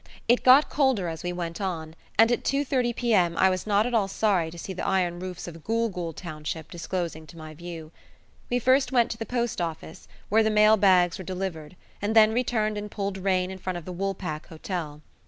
It got colder as we went on, and at 2.30 p.m. I was not at all sorry to see the iron roofs of Gool Gool township disclosing to my view. We first went to the post office, where the mail bags were delivered, and then returned and pulled rein in front of the Woolpack Hotel.